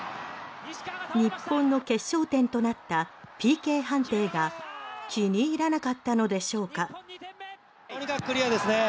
日本の決勝点となったＰＫ判定が気に入らなかったのでしょうか？